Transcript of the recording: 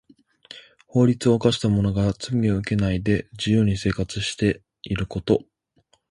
法律を犯した者が罰を受けないで自由に生活していること。